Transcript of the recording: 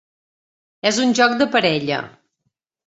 És un joc de parella.